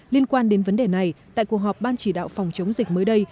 liên quan đến vấn đề này tại cuộc họp ban chỉ đạo phòng chống dịch mới đây